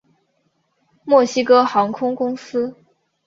墨西哥航空公司。